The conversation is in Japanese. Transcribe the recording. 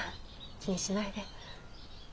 気にしないで。